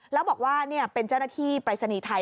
แล้วบอกว่าเป็นเจ้าหน้าที่ปรายศนีย์ไทย